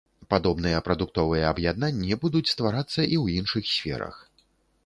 Падобныя прадуктовыя аб'яднанні будуць стварацца і ў іншых сферах.